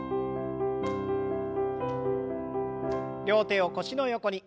両手を腰の横に。